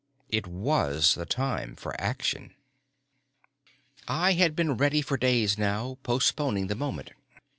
It was the time for action. I had been ready for days now, postponing the moment.